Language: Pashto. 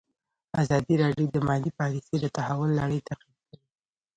ازادي راډیو د مالي پالیسي د تحول لړۍ تعقیب کړې.